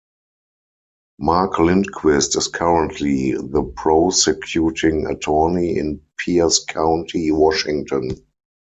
Mark Lindquist is currently the Prosecuting Attorney in Pierce County, Washington.